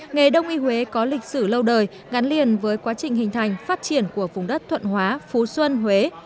nghề đông y huế có lịch sử lâu đời gắn liền với quá trình hình thành phát triển của vùng đất thuận hóa phú xuân huế